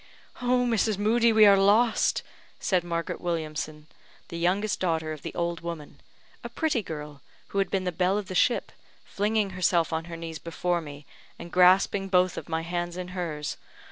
"Mrs. Moodie, we are lost," said Margaret Williamson, the youngest daughter of the old woman, a pretty girl, who had been the belle of the ship, flinging herself on her knees before me, and grasping both my hands in hers.